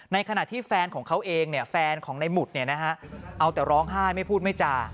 ในขณะที่แฟนของเขาเองเนี่ยแฟนของในหมุดเนี่ยนะฮะเอาแต่ร้องไห้ไม่พูดไม่จา